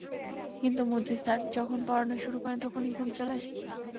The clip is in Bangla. কিন্তু মজিদ স্যার যখন পড়ানো শুরু করেন, তখনই ঘুম চলে আসে।